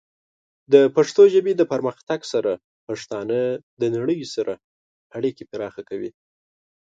د پښتو ژبې د پرمختګ سره، پښتانه د نړۍ سره اړیکې پراخه کوي.